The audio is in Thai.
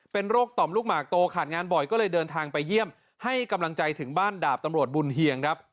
เป็นโรคต่อมลูกหมากโตขาดงานบ่อยก็เลยเดินทางไปเยี่ยมให้กำลังใจถึงบ้านดาบตำรวจบุญเฮียงครับ